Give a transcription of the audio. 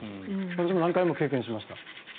私も何回も経験しました。